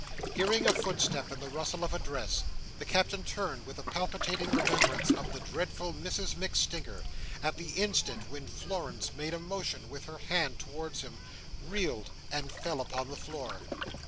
Hearing a footstep and the rustle of a dress, the Captain turned with a palpitating remembrance of the dreadful Mrs MacStinger, at the instant when Florence made a motion with her hand towards him, reeled, and fell upon the floor.